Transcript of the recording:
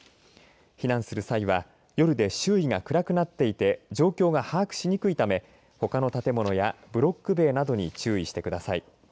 避難する際は夜で周囲が暗くなっていて状況が把握しにくいためほかの建物やブロック塀などに注意してください。